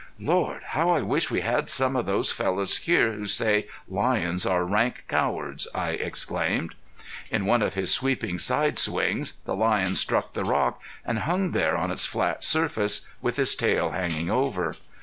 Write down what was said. "Lord! How I wish we had some of those fellows here who say lions are rank cowards!" I exclaimed. In one of his sweeping side swings the lion struck the rock and hung there on its flat surface with his tail hanging over.